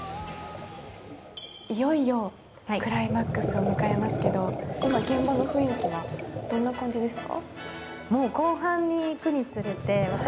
いよいよクライマックスを迎えますけど、今、現場の雰囲気はどんな感じですか？